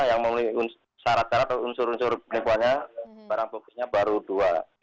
yang memenuhi unsur unsur penipuannya barang buktinya baru dua